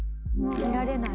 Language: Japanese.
見られない。